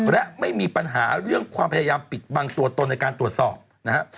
และไม่มีปัญหาเรื่องความพยายามปิดบังตัวตนในการตรวจสอบนะครับ